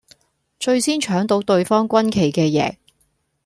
最先搶到對方軍旗嘅贏